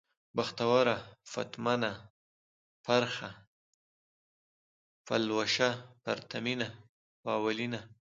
بختوره ، پتمنه ، پرخه ، پلوشه ، پرتمينه ، پاولينه